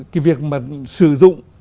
cái việc mà sử dụng